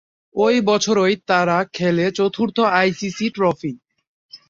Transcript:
ঐ বছরই তারা খেলে চতুর্থ আই সি সি ট্রফি।